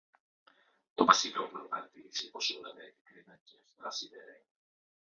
Το Βασιλόπουλο παρατήρησε πως όλα τα έπιπλα ήταν και αυτά σιδερένια